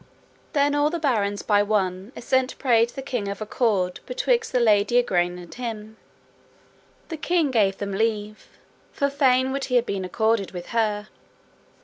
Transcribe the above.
Then all the barons by one assent prayed the king of accord betwixt the lady Igraine and him; the king gave them leave, for fain would he have been accorded with her.